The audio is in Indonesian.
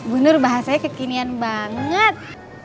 bu nur bahasanya kekinian banget